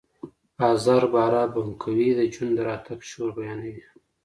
آزر باره بنکوی د جون د راتګ شور بیانوي